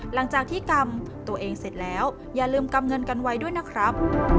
หลังจากที่กำตัวเองเสร็จแล้วอย่าลืมกำเงินกันไว้ด้วยนะครับ